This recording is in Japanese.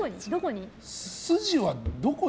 どこに？